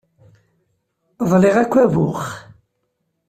Ḍliɣ akk abux.